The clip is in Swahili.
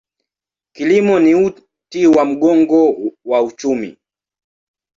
Kilimo ni uti wa mgongo wa uchumi.